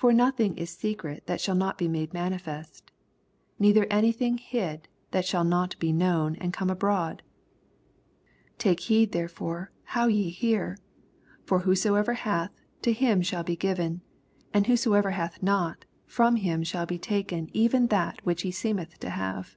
17 For nothing is secret, that shaD Oot be made manifest ; neither tm^ Min^ hid, that shall not be known and come abroad. 18 Take heed therefore how ye hear : for whosoever hath, to him shall be given ; and whosoever hath not, land do it. fh>m him shall be taken even thati LUKE Vni. 16—21. which he seemeth to have.